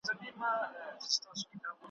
لا زموږ شپانه کېږدی په پیڅول ږدي